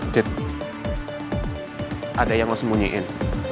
cip ada yang lo sembunyiin